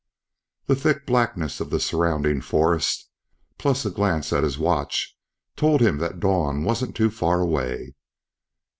The thick blackness of the surrounding forest, plus a glance at his watch, told him that dawn wasn't too far away.